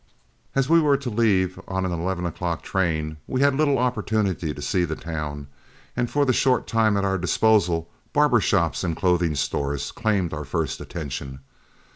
As we were to leave on an eleven o'clock train, we had little opportunity to see the town, and for the short time at our disposal, barber shops and clothing stores claimed our first attention.